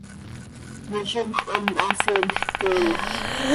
¿Me zímjöc hant haa siimjc queeya?